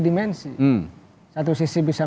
dimensi satu sisi bisa